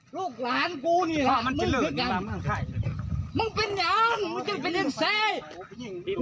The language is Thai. ลูกหลานกูนี่ล่ะมึงเป็นยังมึงเป็นยังมึงเป็นยังเศรษฐ์